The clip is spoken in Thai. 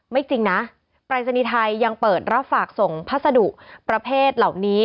จริงนะปรายศนีย์ไทยยังเปิดรับฝากส่งพัสดุประเภทเหล่านี้